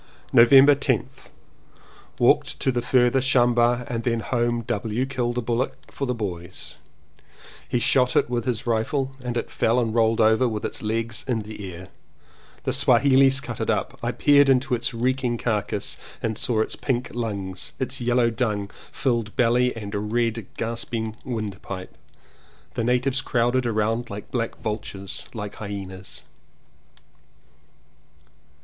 November 10th. Walked to the further shamba and then home. W. killed a bullock for the boys. He shot it with his rifle and it fell and rolled over with its legs in the air. The Swahilees cut it up. I peered into its reeking carcass and saw its pink lungs, its yellow dung filled belly and red gasping windpipe. The natives crowded round like black vultures, like hyenas.